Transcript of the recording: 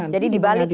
jadi dibalik ya